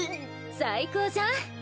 最高じゃん！